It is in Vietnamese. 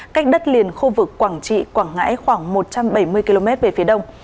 cách đất liền khu vực quảng trị quảng ngãi khoảng một trăm bảy mươi km về phía đông